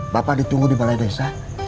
bapak ditunggu di balai desa